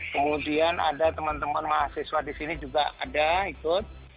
kemudian ada teman teman mahasiswa di sini juga ada ikut